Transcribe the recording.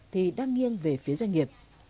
thì đang nghiêng về phía doanh nghiệp